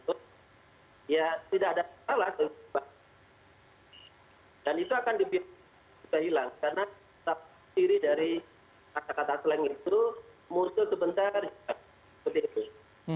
karena sasiri dari kata kata slang itu muncul sebentar seperti itu